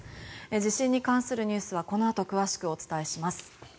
地震に関するニュースはこのあと詳しくお伝えします。